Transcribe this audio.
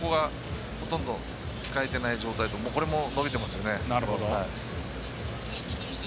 ほとんど使えてない状態でこれも伸びていますよね。